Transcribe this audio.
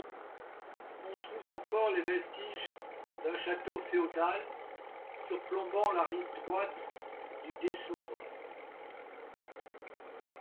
On trouve encore les vestiges d'un château féodal surplombant la rive droite du Dessoubre.